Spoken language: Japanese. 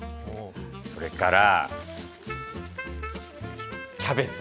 それからキャベツ。